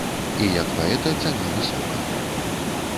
І як паэта цаню высока.